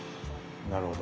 なるほど。